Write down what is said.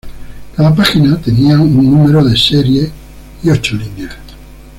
Cada página tenía un número de serie y ocho líneas.